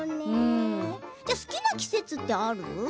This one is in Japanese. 好きな季節ってある？